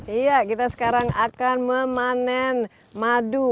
iya kita sekarang akan memanen madu